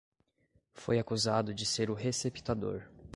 Foi acusado de ser o receptador